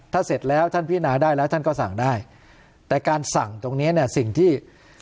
ถ้าเสร็จแล้วท่านพิจารณาได้แล้วท่านก็สั่งได้แต่การสั่งตรงเนี้ยสิ่งที่